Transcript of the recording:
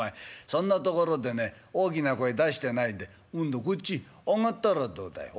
そんなところでね大きな声出してないでこっち上がったらどうだい」。